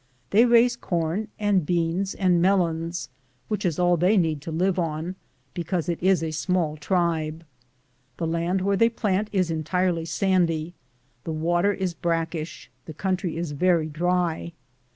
They raise coin am Google THE JOURNEY OP CORONADO. and beans and melons, which is all they need to live on, because it is a small tribe. The land where they plant is entirely Bandy ; the water is brackish ; the country is very dry.